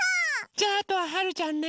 じゃああとははるちゃんね。